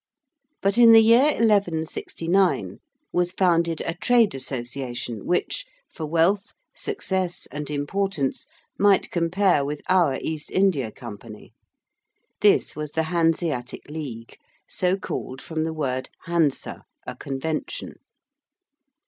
But in the year 1169 was founded a trade association which, for wealth, success, and importance, might compare with our East India Company. This was the Hanseatic League (so called from the word Hansa, a convention).